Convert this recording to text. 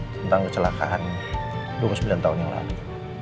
tentang kecelakaan dua puluh sembilan tahun yang lalu